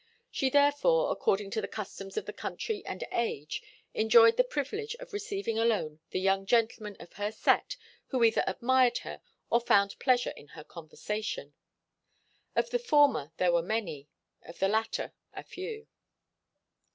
She therefore, according to the customs of the country and age, enjoyed the privilege of receiving alone the young gentlemen of her set who either admired her or found pleasure in her conversation. Of the former there were many; of the latter, a few.